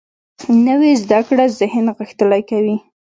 نوې زده کړه ذهن غښتلی کوي